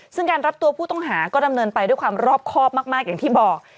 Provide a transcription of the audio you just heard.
ซึ่งการรับตัวผู้ต้องหาก็ดำเนินไปด้วยความรอบครอบมากอย่างที่บอก